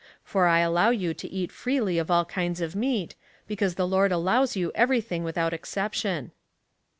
For I allow you to eat freely of all kinds of meat, because the Lord allows you every tiling without exception."